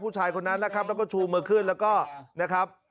ผู้ชายคนนั้นนะครับแล้วก็ชูมือขึ้นแล้วก็นะครับ